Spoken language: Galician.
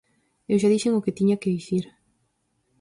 Eu xa dixen o que tiña que dicir.